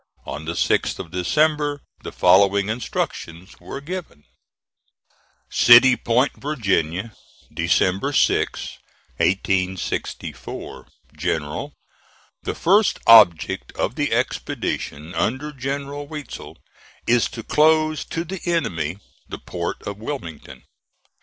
On the 6th of December, the following instructions were given: "CITY POINT, VIRGINIA, December 6, 1864. "GENERAL: The first object of the expedition under General Weitzel is to close to the enemy the port of Wilmington.